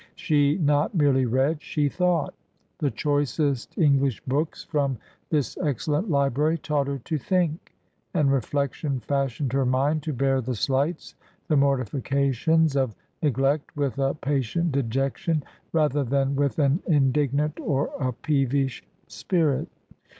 She not merely read she thought: the choicest English books from this excellent library taught her to think; and reflection fashioned her mind to bear the slights, the mortifications of neglect, with a patient dejection, rather than with an indignant or a peevish spirit.